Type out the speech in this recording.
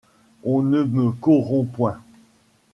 On ne me corrompt point.